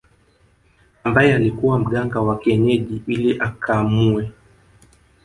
Ambaye alikuwa mganga wa kienyeji ili akamuue